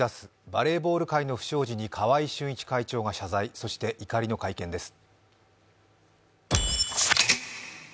バレーボール界の不祥事に川合俊一会長が謝罪そして怒りの会見です。